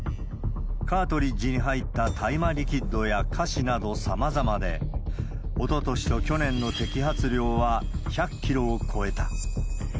カートリッジに入った大麻リキッドや菓子などさまざまで、おととしと去年の摘発量は１００キロを超えた。